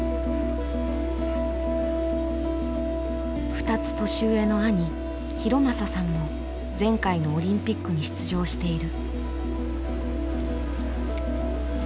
２つ年上の兄太将さんも前回のオリンピックに出場している。